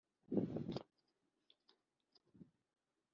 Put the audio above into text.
Ndagiye inyumba y'ijosi rinini,